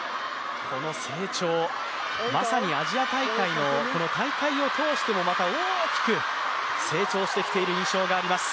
この成長、まさにアジア大会の大会を通してもまた大きく成長してきている印象があります。